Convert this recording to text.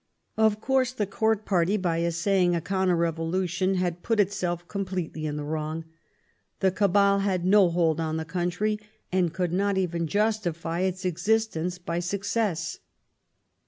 Of course, the Court party, by essaying a counter revolution, had put itself completely in the wrong ; the cabal had no hold on the country, and could not even justify its existence by success.